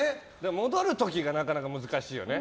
戻る時が、なかなか難しいよね。